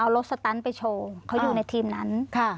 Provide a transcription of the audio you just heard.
เอารถสตันไปโชว์เขาอยู่ในทีมนั้น